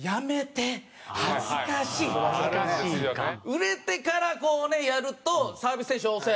売れてからこうねやるとサービス精神旺盛